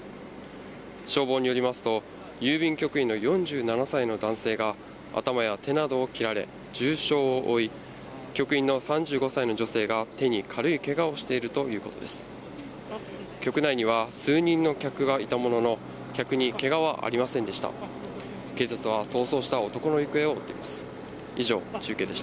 消防によりますと、郵便局員の４７歳の男性が頭や手などを切られ、重傷を負い、局員の３５歳の女性が手に軽いけがをしているということです。